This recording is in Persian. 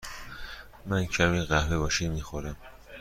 من کمی قهوه با شیر می خورم.